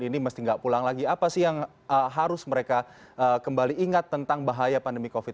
ini mesti nggak pulang lagi apa sih yang harus mereka kembali ingat tentang bahaya pandemi covid sembilan